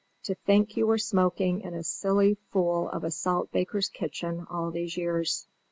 To think you were smoking in a silly fool of a salt baker's kitchen all these years!"